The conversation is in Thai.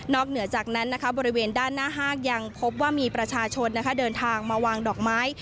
เหนือจากนั้นบริเวณด้านหน้าห้างยังพบว่ามีประชาชนเดินทางมาวางดอกไม้